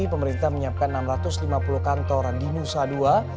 pemerintah menyiapkan enam ratus lima puluh kantor di nusa dua